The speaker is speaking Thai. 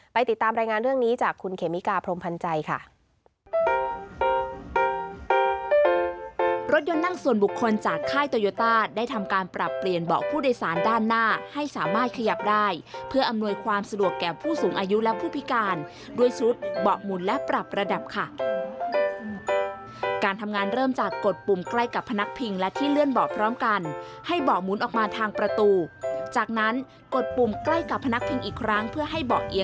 ติดตามรายงานเรื่องนี้จากคุณเขมิกาพรมพันธ์ใจค่ะ